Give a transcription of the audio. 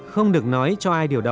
không được nói cho ai điều đó